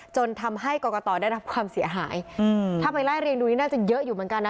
จนทำให้กรกตได้รับความเสียหายอืมถ้าไปไล่เรียงดูนี่น่าจะเยอะอยู่เหมือนกันนะ